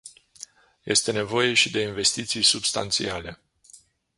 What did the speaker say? Este nevoie și de investiții substanțiale.